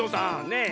ねえ。